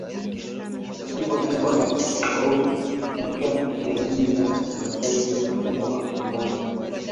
Sifa kubwa ya tofauti katika Jamii ya kimaasai ni mfumo wa miaka